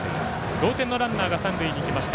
同点のランナーが三塁に行きました。